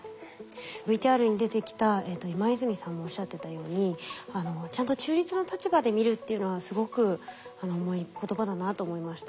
ＶＴＲに出てきた今泉さんもおっしゃってたようにちゃんと中立の立場で見るっていうのはすごく重い言葉だなと思いました。